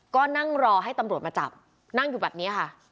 ก็นั่งรอให้ตำรวจมาจับนั่งอยู่แบบนี้ค่ะ